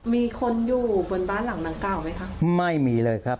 มีคนอยู่บนบ้านหลังนางเก้าไหมครับไม่มีเลยครับ